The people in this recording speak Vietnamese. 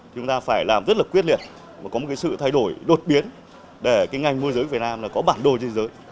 chúng ta phải làm rất là quyết liệt có một sự thay đổi đột biến để ngành môi giới việt nam có bản đồ trên thế giới